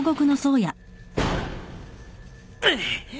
うっ！